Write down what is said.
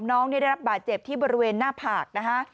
น้องนี่ได้รับบาดเจ็บที่บริเวณหน้าผากนะคะ